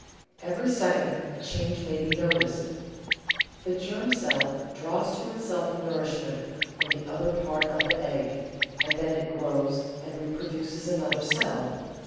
Every second a change may be noticed. The germ cell draws to itself nourishment from the other part of the egg, and then it grows and reproduces another cell.